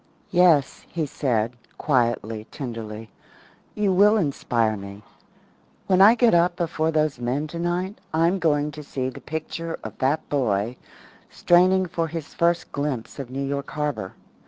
"Yes," he said, quietly, tenderly, "you will inspire me. When I get up before those men tonight I'm going to see the picture of that boy straining for his first glimpse of New York Harbour.